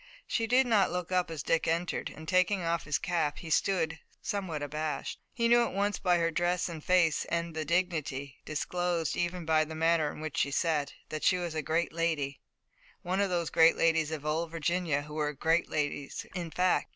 She did not look up as Dick entered, and, taking off his cap, he stood, somewhat abashed. He knew at once by her dress and face, and the dignity, disclosed even by the manner in which she sat, that she was a great lady, one of those great ladies of old Virginia who were great ladies in fact.